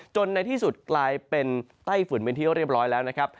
ในที่สุดกลายเป็นไต้ฝุ่นเป็นที่เรียบร้อยแล้วนะครับ